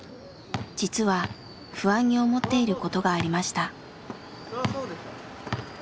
実は不安に思っていることがありました。